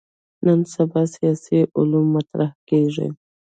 نن سبا سیاسي علومو مطرح کېږي.